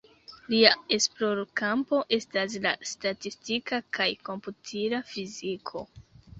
Lia esplorkampo estas la statistika kaj komputila fiziko.